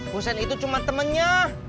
busen itu cuma temennya